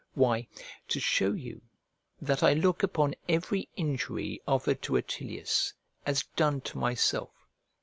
Why, to shew you that I look upon every injury offered to Attilius as done to myself.